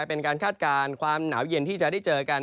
เป็นการคาดการณ์ความหนาวเย็นที่จะได้เจอกัน